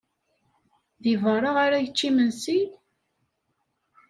Deg beṛṛa ara yečč imensi?